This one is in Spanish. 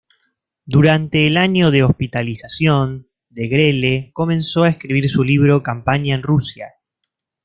Durante el año de hospitalización, Degrelle comenzó a escribir su libro "Campaña en Rusia".